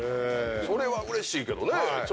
それはうれしいけどね。